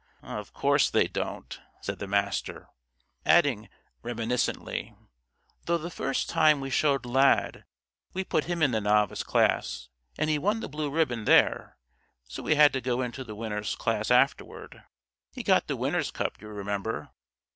"Of course they don't," said the Master, adding reminiscently, "though the first time we showed Lad we put him in the Novice Class and he won the blue ribbon there, so we had to go into the Winners' Class afterward. He got the Winner's Cup, you remember.